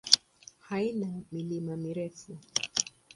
Haina milima mirefu.